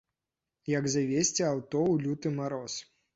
Як завесці аўто ў люты мароз.